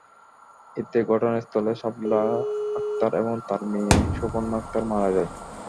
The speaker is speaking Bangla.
এতে ঘটনাস্থলে শাপলা আক্তার এবং তাঁর মেয়ে সুবর্ণা আক্তার মারা যায়।